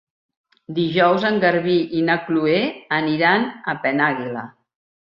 Dijous en Garbí i na Chloé aniran a Penàguila.